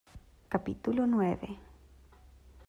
capítulo nueve.